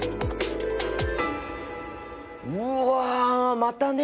うわまたね